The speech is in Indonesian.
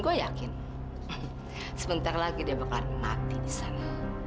gua yakin sebentar lagi dia bakalan mati di sana